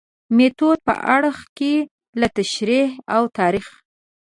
د میتود په اړخ کې له تشریحي او تاریخي